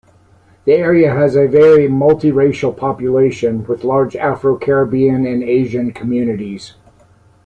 The area has a very multi-racial population, with large Afro-Caribbean and Asian communities.